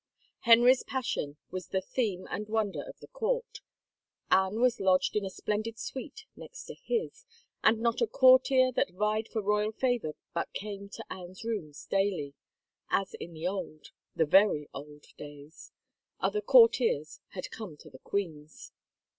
Henry's passion was the theme and wonder of the court. Anne was lodged in a splendid suite next to his, and not a courtier that vied for royal favor but came to Anne's rooms daily, as in the old, the very old days, other court iers had come to the queen's.